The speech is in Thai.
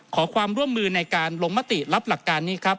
ขอความร่วมมือในการลงมติรับหลักการนี้ครับ